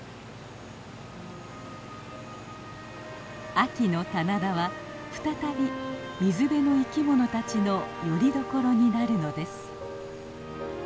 秋の棚田は再び水辺の生き物たちのよりどころになるのです。